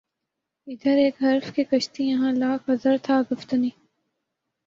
ادھر ایک حرف کہ کشتنی یہاں لاکھ عذر تھا گفتنی